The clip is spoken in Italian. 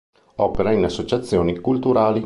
Opera in associazioni culturali.